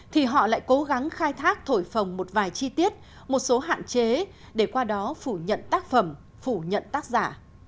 thì họ lại cố gắng khai thác thổi phòng một vài chi tiết một số hạn chế để qua đó phủ nhận tác phẩm phủ nhận tác giả